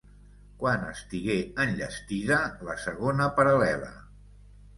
Quan estigué enllestida la segona paral·lela?